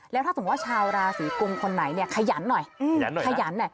แล้วถ้าสมมุติว่าชาวลาศีกุมคนไหนเนี่ยขยันหน่อย